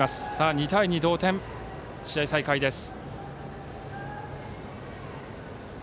２対２の同点で試合再開です。